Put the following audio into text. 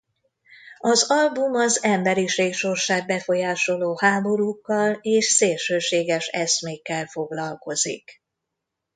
Az album az emberiség sorsát befolyásoló háborúkkal és szélsőséges eszmékkel foglalkozik.